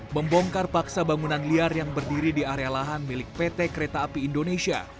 membongkar paksa bangunan liar yang berdiri di area lahan milik pt kereta api indonesia